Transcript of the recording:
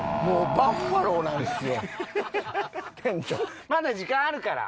バッファローなんですよ。